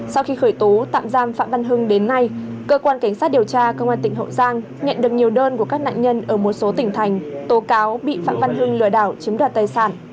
sau khi khởi tố tạm giam phạm văn hưng đến nay cơ quan cảnh sát điều tra công an tỉnh hậu giang nhận được nhiều đơn của các nạn nhân ở một số tỉnh thành tố cáo bị phạm văn hưng lừa đảo chiếm đoạt tài sản